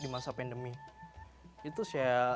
di masa pandemi itu saya